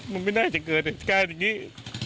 มันไม่ได้จะเกิดแบบนี้